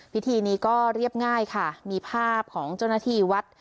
พิธีนี้ก็เรียบง่ายค่ะมีภาพของเจ้าหน้าที่วัด